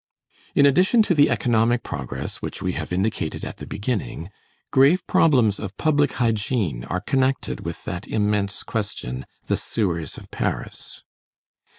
In addition to the economic progress which we have indicated at the beginning, grave problems of public hygiene are connected with that immense question: the sewers of Paris.